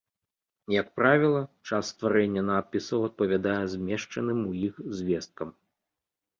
Як правіла, час стварэння надпісаў адпавядае змешчаным ў іх звесткам.